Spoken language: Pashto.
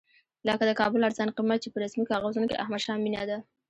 لکه د کابل ارزان قیمت چې په رسمي کاغذونو کې احمدشاه مېنه ده.